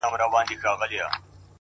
بل څوک خو بې خوښ سوی نه وي،